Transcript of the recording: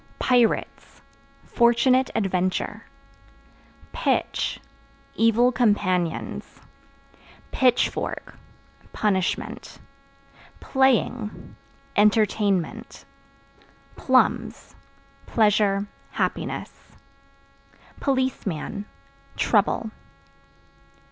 Pirates Fortunate adventure. Pitch Evil companions. Pitchfork Punishment. Playing Entertainment. Plums Pleasure, happiness. Policeman Trouble.